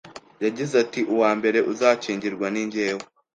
yagize ati Uwa mbere uzakingirwa ni njyewe.